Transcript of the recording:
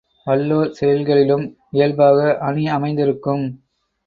வல்லோர் செய்யுள்களிலும் இயல்பாக அணி அமைந்திருக்கும்